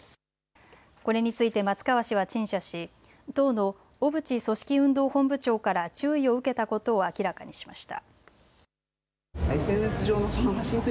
これについて松川氏は陳謝し党の小渕組織運動本部長から注意を受けたことを明らかにしました。